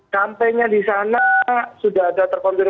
sampainya di sana sudah ada terkonfirmasi